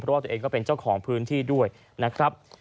เพราะว่าตัวเองก็เป็นเจ้าของพื้นที่ด้วยนะครับ